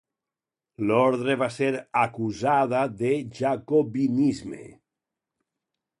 L'ordre va ser acusada de jacobinisme.